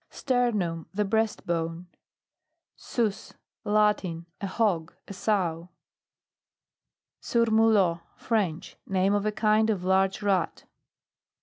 STERNUM The breast bone. Sus. Latin. A hog. a sow. SURMULOT. French. Name of a kind of large rat.